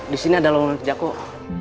disini ada lowongan kerja kok